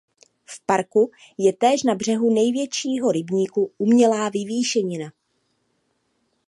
V parku je též na břehu největšího rybníka umělá vyvýšenina.